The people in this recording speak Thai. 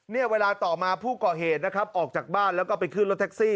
เนี่ยเวลาต่อมาผู้ก่อเหตุนะครับออกจากบ้านแล้วก็ไปขึ้นรถแท็กซี่